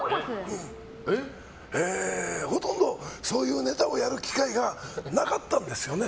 ほとんどそういうネタをやる機会がなかったんですよね。